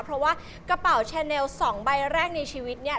เพราะว่ากระเป๋าแชเนล๒ใบแรกในชีวิตเนี่ย